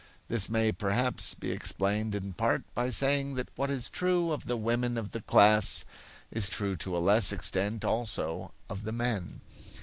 This may perhaps be explained in part by saying that what is true of the women of the class is true to a less extent also of the men.